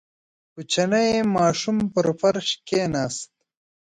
• کوچنی ماشوم پر فرش کښېناست.